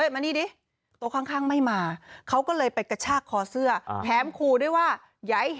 มันก็ไม่มาออกไปมันไม่เกี่ยวได้อีก